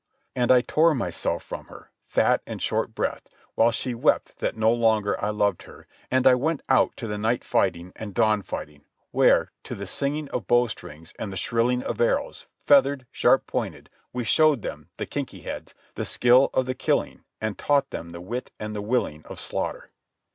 And I tore myself from her, fat and short breathed, while she wept that no longer I loved her, and I went out to the night fighting and dawn fighting, where, to the singing of bowstrings and the shrilling of arrows, feathered, sharp pointed, we showed them, the kinky heads, the skill of the killing and taught them the wit and the willing of slaughter.